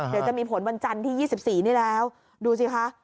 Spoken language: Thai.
เดี๋ยวจะมีผลวันจันทร์ที่๒๔นี่แล้วดูสิคะ